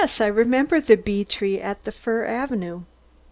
I remember the bee tree in the fir avenue.